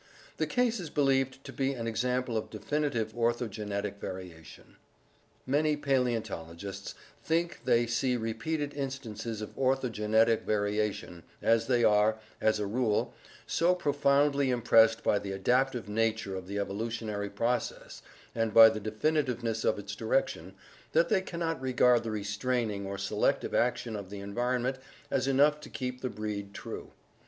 The case is believed to be an example of definitive oncogenetic variation." Many paleontologists think they see repeated instances of orthogenetic variation, as they are, as a rule, "so profoundly im pressed by the adaptive nature of the evolutionary process and by the definitiveness of its direction, that they cannot regard the restraining or selective action of the environment as enough to keep the breed true."